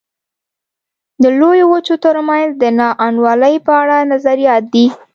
د لویو وچو ترمنځ د نا انډولۍ په اړه نظریات دي.